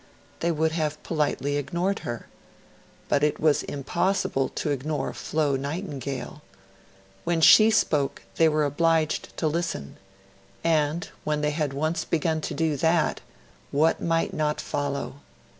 They would have politely ignored her; but it was impossible to ignore Flo Nightingale. When she spoke, they were obliged to listen; and, when they had once begun to do that what might not follow?